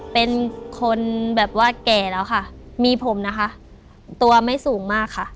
เป็นคนแบบว่าแก่แล้วค่ะมีผมนะคะตัวไม่สูงมากค่ะ